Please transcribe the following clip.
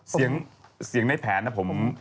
เสียงในแผนนะครับผม